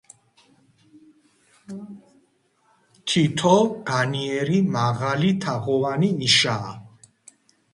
თითო, განიერი, მაღალი, თაღოვანი ნიშაა.